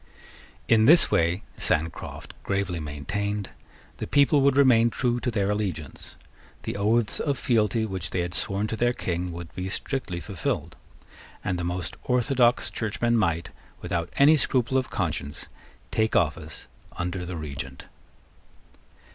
In this way, Sancroft gravely maintained, the people would remain true to their allegiance: the oaths of fealty which they had sworn to their King would be strictly fulfilled; and the most orthodox Churchmen might, without any scruple of conscience, take office under the Regent.